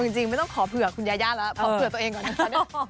เอาจริงไม่ต้องขอเผื่อคุณยาแล้วพอเผื่อตัวเองก่อน